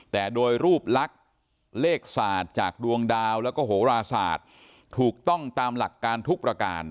แต่โดยรูปลักษณ์เลขศาสตร์จากดวงดาวแล้วก็โหราศาสตร์ถูกต้องตามหลักการทุกประการ